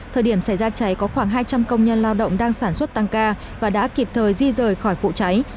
thời điểm xảy ra cháy có khoảng hai trăm linh công nhân lao động đang sản xuất tăng ca và đã kịp thời di rời khỏi vụ cháy